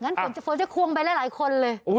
ฝนจะฝนจะควงไปหลายคนเลย